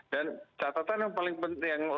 dan catatan yang paling penting